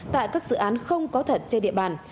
tại các dự án không có thật trên địa bàn